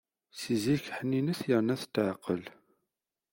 Seg zik ḥninet yerna tetɛeqqel.